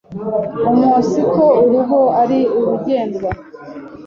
umunsiko urugo ari urugendwa.